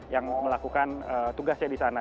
yang melakukan tugasnya di sana